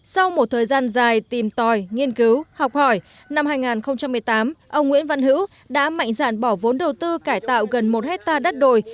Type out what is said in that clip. sau một thời gian dài tìm tòi nghiên cứu học hỏi năm hai nghìn một mươi tám ông nguyễn văn hữu đã mạnh dạn bỏ vốn đầu tư cải tạo gần một hectare đất đồi